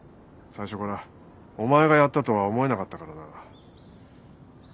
最初からお前がやったとは思えなかったからな。